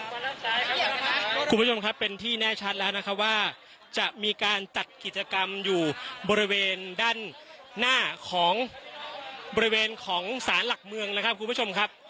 คุณผู้ชมครับเป็นที่แน่ชัดแล้วนะครับว่าจะมีการจัดกิจกรรมอยู่บริเวณด้านหน้าของบริเวณของสารหลักเมืองนะครับคุณผู้ชมครับ